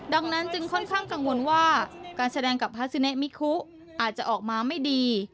ดังนั้นจึงค่อนข้างกังวลว่าการแสดงกับพระสุเนมิคุอาจจะออกมาไม่ดี